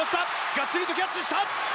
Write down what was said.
がっちりとキャッチした！